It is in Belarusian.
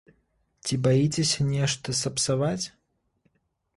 Ці баіцеся нешта сапсаваць?